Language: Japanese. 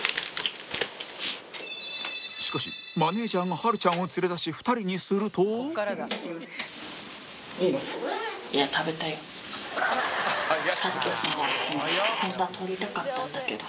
しかしマネジャーがはるちゃんを連れ出しさっきさホントは取りたかったんだけど